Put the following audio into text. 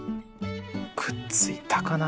くっついたかな？